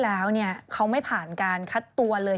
ว่าเมื่อปีที่แล้วเขาไม่ผ่านการคัดตัวเลย